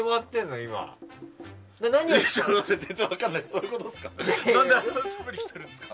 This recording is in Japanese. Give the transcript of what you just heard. どういうことですか？